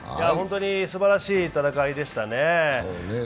本当にすばらしい戦いでしたね。